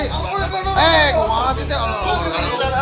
eh gua mau kasih